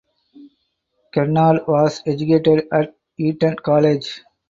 Kennard was educated at Eton College.